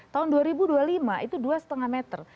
tahun dua ribu dua puluh lima itu dua lima meter